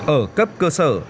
ở cấp cơ sở